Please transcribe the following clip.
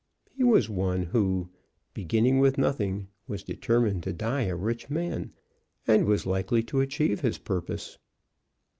He was one who, beginning with nothing, was determined to die a rich man, and was likely to achieve his purpose.